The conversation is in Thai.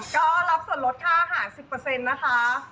ก็รับส่วนลดค่าอาหาร๑๐นะคะ